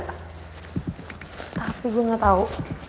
tapi gue gak tau